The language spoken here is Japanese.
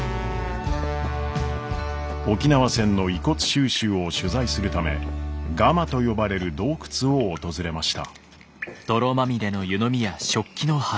沖縄戦の遺骨収集を取材するためガマと呼ばれる洞窟を訪れました。